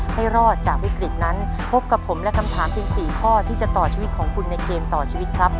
ให้รอดจากวิกฤตนั้นพบกับผมและคำถามเพียง๔ข้อที่จะต่อชีวิตของคุณในเกมต่อชีวิตครับ